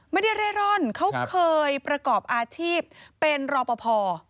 ไม่ได้เร่ร่อนเขาเคยประกอบอาชีพเป็นรอปภ